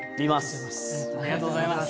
ありがとうございます。